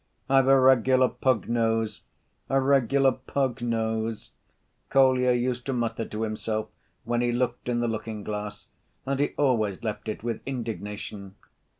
"I've a regular pug nose, a regular pug nose," Kolya used to mutter to himself when he looked in the looking‐glass, and he always left it with indignation.